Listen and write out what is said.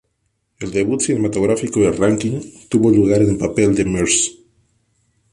El debut cinematográfico de Rankin tuvo lugar en el papel de "Mrs.